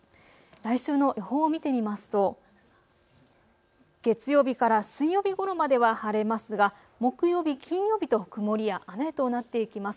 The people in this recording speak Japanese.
来週の予報を見てみますと月曜日から水曜日ごろまでは晴れますが木曜日、金曜日と曇りや雨となっていきます。